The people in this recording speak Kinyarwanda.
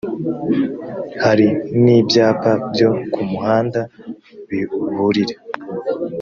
hari n’ibyapa byo ku muhanda biburira